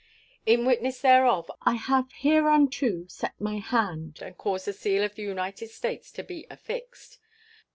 In witness whereof I have hereunto set my hand and caused the seal of the United States to be affixed.